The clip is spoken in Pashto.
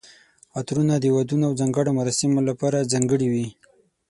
عطرونه د ودونو او ځانګړو مراسمو لپاره ځانګړي وي.